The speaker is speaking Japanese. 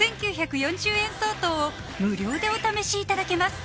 ５９４０円相当を無料でお試しいただけます